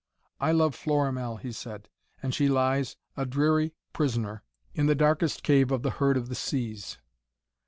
'I love Florimell,' he said, 'and she lies, a dreary prisoner, in the darkest cave of the Herd of the Seas.'